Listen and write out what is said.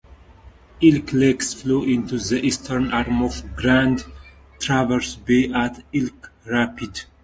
Elk Lake flows into the east arm of Grand Traverse Bay at Elk Rapids.